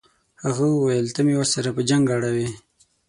هغه وویل ته مې ورسره په جنګ اړوې.